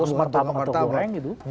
bos martabak atau goreng gitu